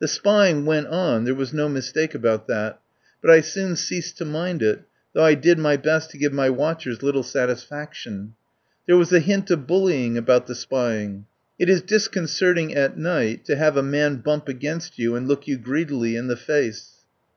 The spying went on — there was no mistake about that — but I soon ceased to mind it, though I did my best to give my watchers little satisfaction. There was a hint of bullying about the spying. It is discon certing at night to have a man bump against you and look you greedily in the face.